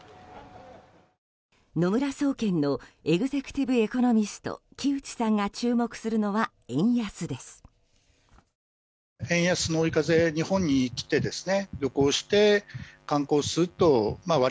野村総研のエグゼクティブ・エコノミスト木内さんが注目するのは円安です。